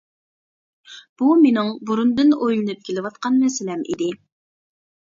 بۇ مېنىڭ بۇرۇندىن ئويلىنىپ كېلىۋاتقان مەسىلەم ئىدى.